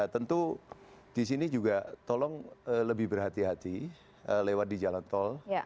tentu di sini juga tolong lebih berhati hati lewat di jalan tol